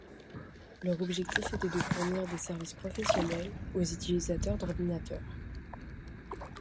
Leur objectif était de fournir des services professionnels aux utilisateurs d'ordinateurs.